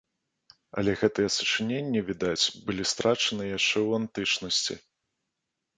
Але гэтыя сачыненні, відаць, былі страчаны яшчэ ў антычнасці.